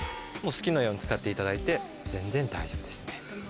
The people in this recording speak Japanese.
もう好きなように使っていただいて全然大丈夫ですね。